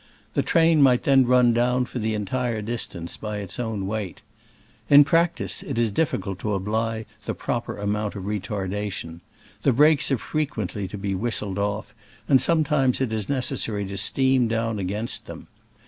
The train might then run down for the entire dis tance by its own weight. In practice, it is difficult to apply the proper amount of retardation : the brakes have fre quently to be whistled off", and some times it is necessary to steam down against them.